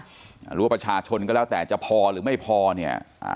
หรือว่าประชาชนก็แล้วแต่จะพอหรือไม่พอเนี่ยอ่า